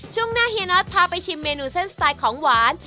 ช่วงหน้าเฮียน็อตพาไปชิมเมนูเส้นสไตล์ของหวาน